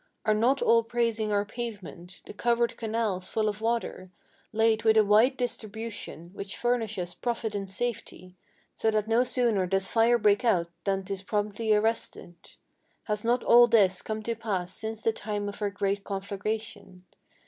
Are not all praising our pavement? the covered canals full of water, Laid with a wise distribution, which furnish us profit and safety, So that no sooner does fire break out than 'tis promptly arrested? Has not all this come to pass since the time of our great conflagration?